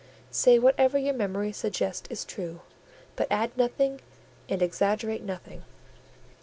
Say whatever your memory suggests is true; but add nothing and exaggerate nothing."